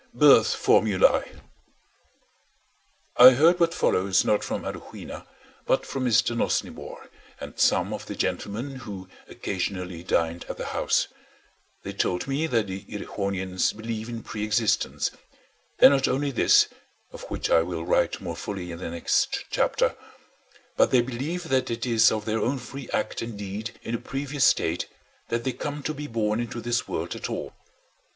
BIRTH FORMULAE I heard what follows not from Arowhena, but from Mr. Nosnibor and some of the gentlemen who occasionally dined at the house: they told me that the Erewhonians believe in pre existence; and not only this (of which I will write more fully in the next chapter), but they believe that it is of their own free act and deed in a previous state that they come to be born into this world at all.